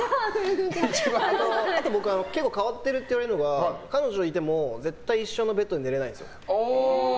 あと僕結構変わっているといわれるのが彼女いても絶対一緒のベッドで寝れないんです。